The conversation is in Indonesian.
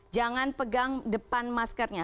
jangan pegang depan maskernya